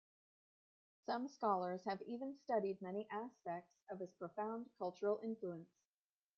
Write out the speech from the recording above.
Some scholars have even studied many aspects of his profound cultural influence.